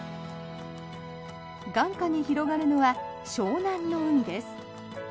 眼下に広がるのは湘南の海です。